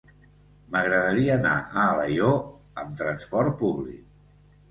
M'agradaria anar a Alaior amb transport públic.